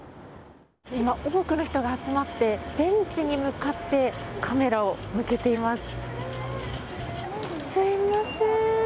多くの人が集まってベンチに向かってカメラを向けています。